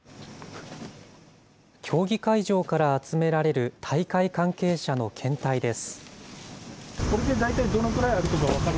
競技会場から集められる大会関係者の検体です。